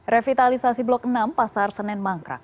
revitalisasi blok enam pasar senen mangkrak